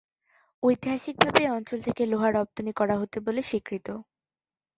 ঐতিহাসিকভাবে এই অঞ্চল থেকে লোহা রপ্তানি করা হতো বলে স্বীকৃত।